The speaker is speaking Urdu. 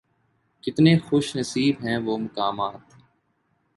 کتنے خوش نصیب ہیں وہ مقامات